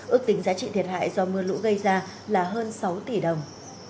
ước tính giá trị thiệt hại do mưa lũ gây ra là hơn sáu tỷ đồng